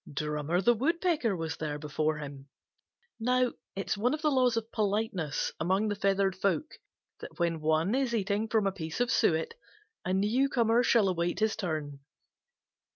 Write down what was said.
Drummer the Woodpecker was there before him. Now it is one of the laws of politeness among the feathered folk that when one is eating from a piece of suet a newcomer shall await his turn.